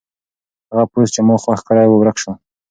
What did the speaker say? هغه پوسټ چې ما خوښ کړی و ورک شو.